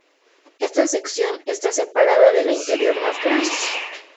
Esta sección está separada de la interior, más grande.